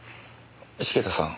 茂田さん